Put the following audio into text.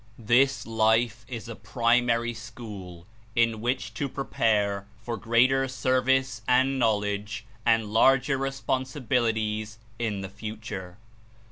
129 This life Is a primary school In which to prepare for greater service and knowledge and larger respon sibilities in the future.